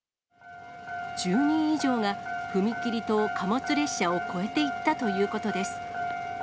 １０人以上が、踏切と貨物列車を越えていったということです。